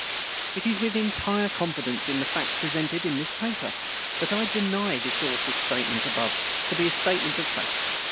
It is with entire confidence in the facts presented in this paper that I deny this author's statement, above, to be a statement of fact.